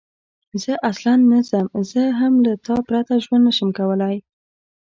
زه اصلاً نه ځم، زه هم له تا پرته ژوند نه شم کولای.